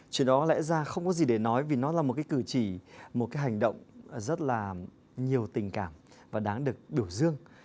chuyện đó lẽ ra không có gì để nói vì nó là một cử chỉ một hành động rất nhiều tình cảm và đáng được biểu dương